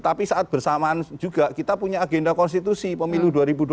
tapi saat bersamaan juga kita punya agenda konstitusi pemilu dua ribu dua puluh